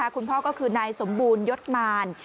คุณพ่อก็คือนายสมบูรณยศมาร